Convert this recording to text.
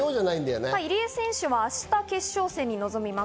入江選手は明日、決勝戦に臨みます。